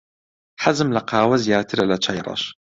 حەزم لە قاوە زیاترە لە چای ڕەش.